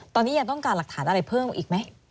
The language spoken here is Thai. ตอนนี้ยังต้องการหลักฐานอะไรเพิ่มอีกไหม